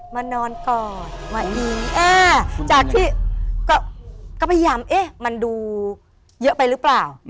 นอนกอดมายิงจากที่ก็พยายามเอ๊ะมันดูเยอะไปหรือเปล่า